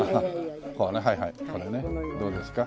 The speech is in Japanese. はいはいこれねどうですか？